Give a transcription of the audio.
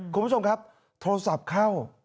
คุณผู้ชมครับโทรศัพท์เข้า